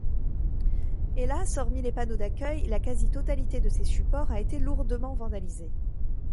Hélas, hormis les panneaux d'accueil, la quasi-totalité de ces supports a été lourdement vandalisée.